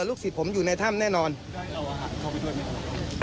ศิษย์ผมอยู่ในถ้ำแน่นอนได้เอาอาหารเข้าไปด้วยไหมครับ